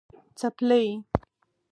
🩴څپلۍ